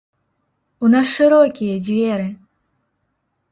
У нас шырокія дзверы!